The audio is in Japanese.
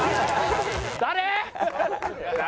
誰？